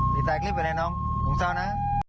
ทีสายกลิ๊บอยู่ไหนน้องของเจ้านะ